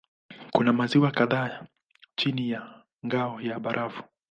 Kuna maziwa kadhaa chini ya ngao ya barafu.